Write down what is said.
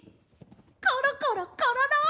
コロコロコロロ！